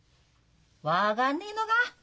分がんねえのか？